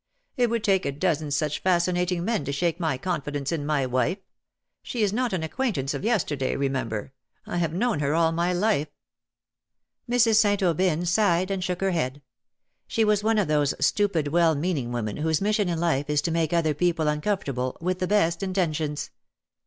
" It would take a dozen such fascinating men to shake my confidence in my wife : she is not an acquaintance of yesterday, remember : I have known her all my life." Mrs. St. Aubyn sighed and shook her head. She was one of those stupid well meaning women whose mission in life is to make other people uncom fortable — with the best intentions.